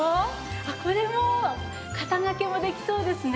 あっこれも肩掛けもできそうですね。